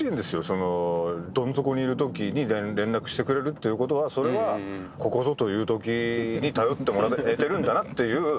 そのどん底にいるときに連絡してくれるっていうことはそれはここぞというときに頼ってもらえてるんだなっていう。